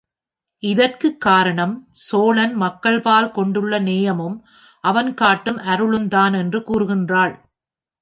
இதற்குக் காரணம் சோழன் மக்கள்பால் கொண்டுள்ள நேயமும், அவன் காட்டும் அருளும்தான் என்று கூறுகின்றாள்.